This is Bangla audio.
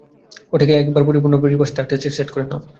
এটাকে একেবারে পরিপূর্ণ রিভার্স থ্রাস্টার্সে সেট করে নাও।